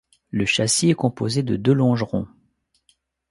Le châssis est composé de deux longerons.